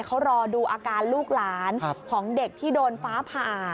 เขารอดูอาการลูกหลานของเด็กที่โดนฟ้าผ่า